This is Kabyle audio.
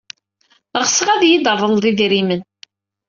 Ɣseɣ ad iyi-d-treḍled idrimen.